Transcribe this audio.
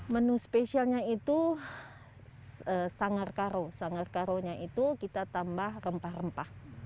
menu spesialnya itu sanggar karo sanggar karonya itu kita tambah rempah rempah